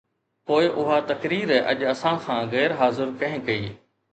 پوءِ اها تقرير اڄ اسان کان غير حاضر ڪنهن ڪئي؟